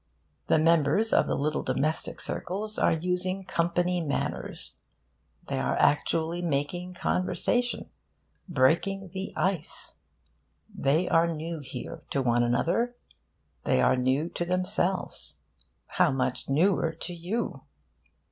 The members of the little domestic circles are using company manners. They are actually making conversation, 'breaking the ice.' They are new here to one another. They are new to themselves. How much newer to you!